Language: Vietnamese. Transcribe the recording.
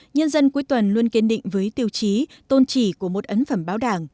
nhân dân cuối tuần luôn kiên định với tiêu chí tôn trì của một ấn phẩm báo đảng